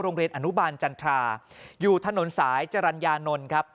โรงเรียนอนุบาลจันทราอยู่ถนนสายจรรยานนท์ครับ